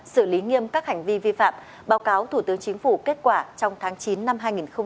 xử lý nghiêm các hành vi vi phạm báo cáo thủ tướng chính phủ kết quả trong tháng chín năm hai nghìn hai mươi